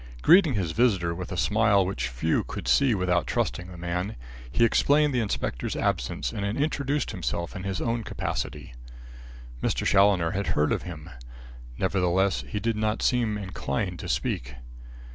Greeting his visitor with a smile which few could see without trusting the man, he explained the inspector's absence and introduced himself in his own capacity. Mr. Challoner had heard of him. Nevertheless, he did not seem inclined to speak.